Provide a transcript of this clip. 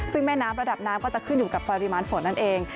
ซึ่งแม่น้ำระดับน้ำก็จะขึ้นอยู่กับปริมาณฝนนั่นเอง